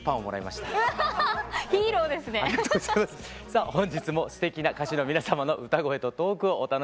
さあ本日もすてきな歌手の皆様の歌声とトークをお楽しみ頂きます。